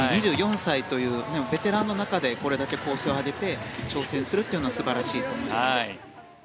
２４歳というベテランの中でこれだけ構成を上げて挑戦するというのは素晴らしいと思います。